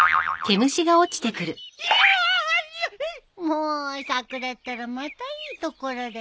もう桜ったらまたいいところで。